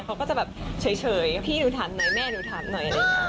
เค้าก็จะแบบเฉยพี่ดูทันหน่อยแม่ดูทันหน่อย